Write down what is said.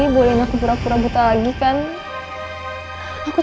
terima kasih banyak